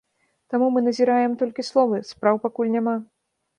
Таму мы назіраем толькі словы, спраў пакуль няма.